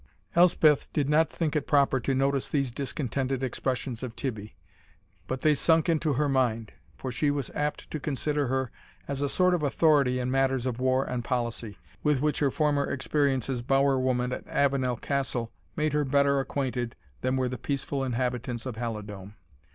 Elspeth did not think it proper to notice these discontented expressions of Tibbie, but they sunk into her mind; for she was apt to consider her as a sort of authority in matters of war and policy, with which her former experience as bower woman at Avenel Castle made her better acquainted than were the peaceful inhabitants of Halidome.